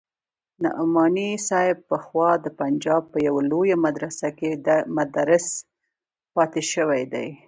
نعماني صاحب پخوا د پنجاب په يوه لويه مدرسه کښې مدرس پاته سوى و.